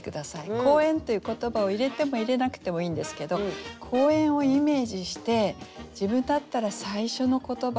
「公園」という言葉を入れても入れなくてもいいんですけど公園をイメージして自分だったら最初の言葉